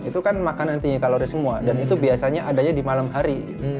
itu kan makanan tinggi kalori semua dan itu biasanya adanya di malam hari